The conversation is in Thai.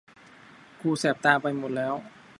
กูแสบตาไปหมดแล้ว